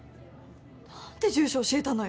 何で住所教えたのよ。